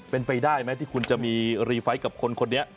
เป็นไปได้ไหมที่คุณจะมีรีไฟต์กับคนนี้